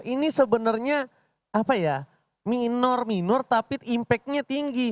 ini sebenarnya apa ya minor minor tapi impactnya tinggi